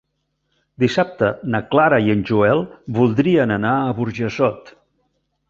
Dissabte na Clara i en Joel voldrien anar a Burjassot.